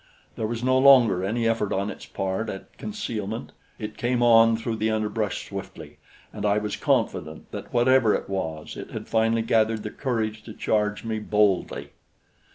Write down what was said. There was no longer any effort on its part at concealment; it came on through the underbrush swiftly, and I was confident that whatever it was, it had finally gathered the courage to charge me boldly.